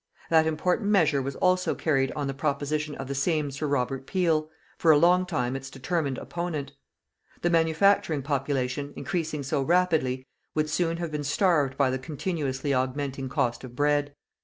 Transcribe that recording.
That important measure was also carried on the proposition of the same Sir Robert Peel, for a long time its determined opponent. The manufacturing population, increasing so rapidly, would soon have been starved by the continuously augmenting cost of bread.